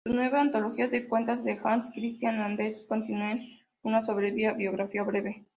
Su nueva antología de cuentos de Hans Christian Andersen contiene una soberbia biografía breve.